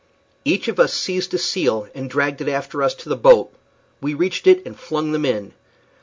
Each of us seized a seal and dragged it after us to the boat. We reached it and flung them in.